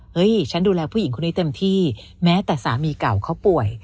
ฉันดูแลผู้หญิงคนนี้เต็มที่แม้แต่สามีเก่าเขาป่วย